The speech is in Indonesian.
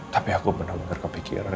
tapi aku benar benar kepikiran